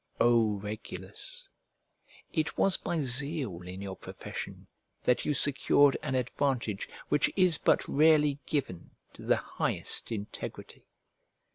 O Regulus! it was by zeal in your profession that you secured an advantage which is but rarely given to the highest integrity.